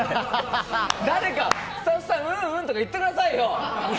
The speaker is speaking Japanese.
誰か、スタッフさんうんうんとか言ってくださいよ！